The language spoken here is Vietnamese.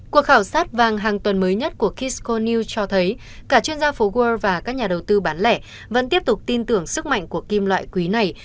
cuộc khảo sát vàng hàng tuần mới nhất của kiscon news cho thấy cả chuyên gia phố wal và các nhà đầu tư bán lẻ vẫn tiếp tục tin tưởng sức mạnh của kim loại quý này